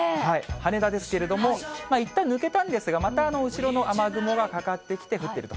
羽田ですけれども、いったん抜けたんですが、また後ろの雨雲がかかってきて、降ってると。